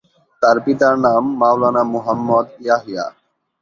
তার পিতার নাম মাওলানা মুহাম্মদ ইয়াহিয়া।